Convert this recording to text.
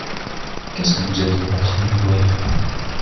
Qu'est-ce que vous êtes en train d'ouvrir ?